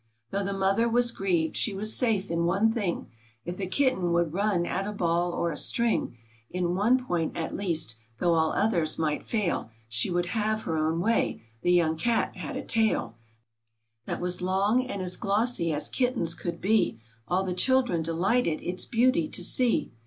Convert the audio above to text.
Though the Mother was grieved, she was safe in one thing ; If the Kitten would run at a hall or a string, In one point at least, though all others might fail, She would have her own way. The young Cat had a tail That was long and as glossy as Kitten's could he ; All the children delighted its beauty to see.